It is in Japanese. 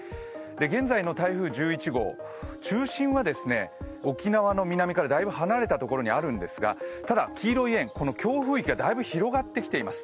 現在の台風１１号、中心は沖縄の南からだいぶ離れたところにあるんですがただ黄色い円、強風域がだいぶ広がってきています。